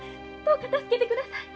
どうか助けてください。